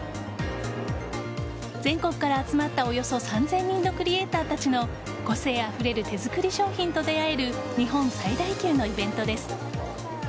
全国から集まったおよそ３０００人のクリエイターたちの個性あふれる手づくり商品と出合える日本最大級のイベントです。